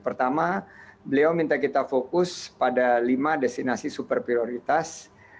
pertama beliau minta kita fokus pada lima destinasi super prioritas